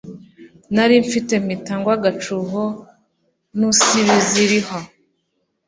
nari mfite mpita ngwa agacuho nusibziriraho